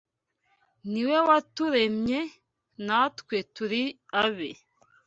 Ni we waturemye, natwe turi abe